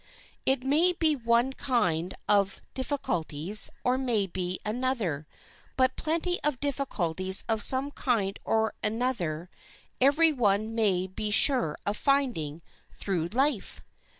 It may be one kind of difficulties, or it may be another, but plenty of difficulties of some kind or other every one may be sure of finding through life.